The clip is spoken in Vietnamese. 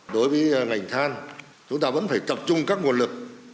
đối với ngành than chúng ta vẫn phải tập trung các nguồn lực